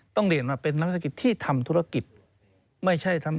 ต้องเห็นว่าเป็นรัฐศักดิ์ที่ทำธุรกิจ